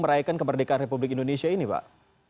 merayakan kemerdekaan republik indonesia ini pak